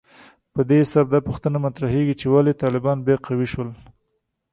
په دې حساب دا پوښتنه مطرحېږي چې ولې طالبان بیا قوي شول